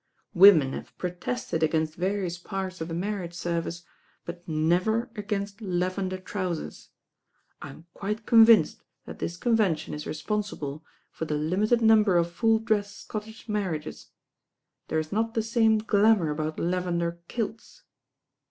Women have protested against various parts of the marriage servicr; but never against lavender trousers. I'm quite con vinced that this convention is responsible for the lim ited number of full dress Scottish marriages. There is not the same glamour about lavender kilts.